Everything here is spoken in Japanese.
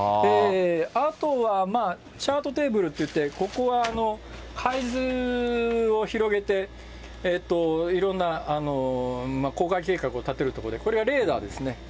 あとはまあ、チャートテーブルっていって、ここは海図を広げて、いろんな航海計画を立てるところで、これがレーダーですね。